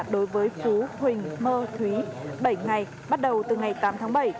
đối với phú huỳnh mơ thúy bảy ngày bắt đầu từ ngày tám tháng bảy